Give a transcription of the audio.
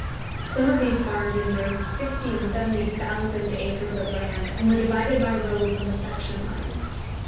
Some of these farms embraced sixty and seventy thousand acres of land, and were divided by roads on the section lines.